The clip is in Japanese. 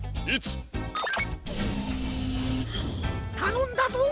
たのんだぞ。